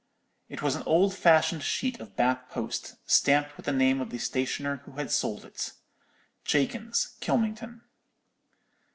It was an old fashioned sheet of Bath post, stamped with the name of the stationer who had sold it—Jakins, Kylmington.